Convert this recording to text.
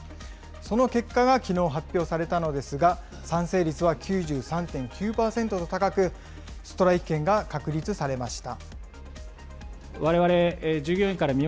その結果が、きのう発表されたのですが、賛成率は９３．９％と高く、ストライキ権が確立されました。